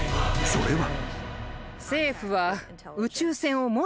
それは］